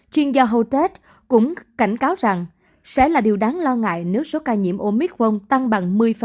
chuyên gia hotex cũng cảnh cáo rằng sẽ là điều đáng lo ngại nếu số ca nhiễm omicron tăng bằng